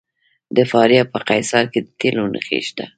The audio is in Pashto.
د فاریاب په قیصار کې د تیلو نښې شته.